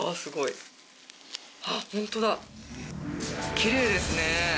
きれいですね。